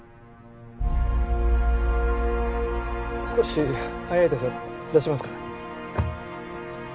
少し早いですが出しますか？